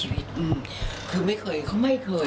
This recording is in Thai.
พี่ใช่คิดว่าเอาไหมที่ไม่เคย